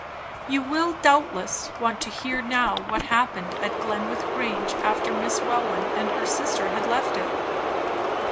You will, doubtless, want to hear now what happened at Glenwith Grange after Miss Welwyn and her sister had left it.